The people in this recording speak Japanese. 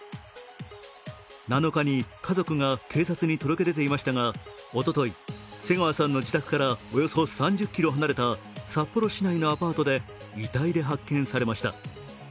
７日に家族が警察に届け出ていましたが、おととい、瀬川さんの自宅からおよそ３０ｋｍ離れた札幌市内のアパートで遺体で発見されました。